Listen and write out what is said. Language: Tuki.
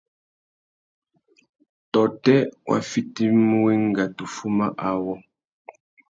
Tôtê wa fitimú wenga tu fuma awô.